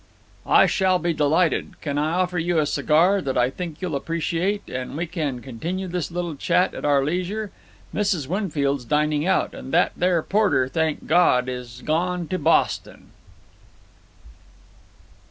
"I shall be delighted. I can offer you a cigar that I think you'll appreciate, and we can continue this little chat at our leisure. Mrs. Winfield's dining out, and that there Porter, thank Gawd, 'as gone to Boston."